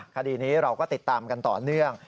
คดีนี้เราก็ติดตามกันต่อเนื่อง